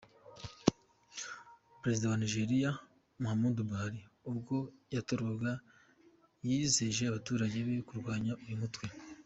Perezida wa Nigeria Muhammadu Buhari ubwo yatorwaga yizeje abaturage be kurwanya uyu mutwe.